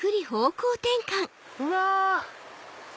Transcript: うわ！